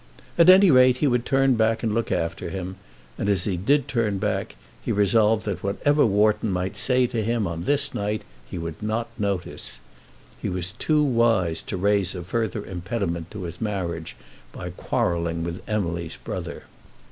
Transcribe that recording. At any rate, he would turn back and look after him; and as he did turn back, he resolved that whatever Wharton might say to him on this night he would not notice. He was too wise to raise a further impediment to his marriage by quarrelling with Emily's brother.